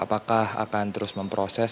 apakah akan terus memproses